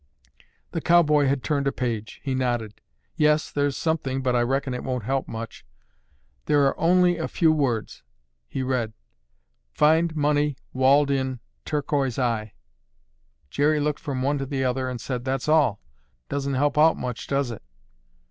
The cowboy had turned a page. He nodded. "Yes, here's something but I reckon it won't help much. There are only a few words." He read, "Find money—walled in—turquoise eye." Jerry looked from one to the other and said, "That's all. Doesn't help out much, does it?"